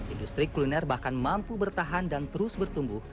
industri kuliner bahkan mampu bertahan dan terus bertumbuh